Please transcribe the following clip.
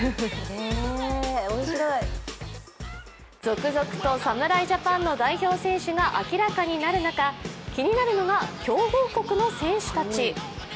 続々と侍ジャパンの代表選手が明らかになる中、気になるのが強豪国の選手たち。